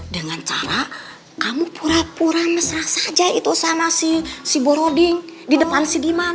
dengan cara kamu pura pura mesra saja itu sama si si boroding di depan si diman